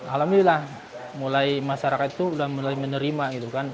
alhamdulillah mulai masyarakat itu sudah mulai menerima gitu kan